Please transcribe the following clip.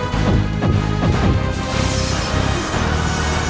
aku akan menang